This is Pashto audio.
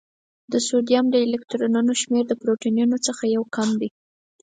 د سوډیم د الکترونونو شمېر د پروتونونو څخه یو کم دی.